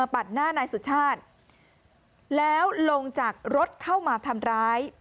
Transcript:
ปัดหน้านายสุชาติแล้วลงจากรถเข้ามาทำร้าย